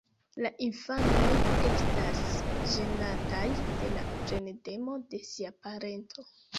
La infanoj estas ĝenataj de la plendemo de sia parento.